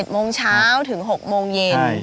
โมงเช้าถึง๖โมงเย็น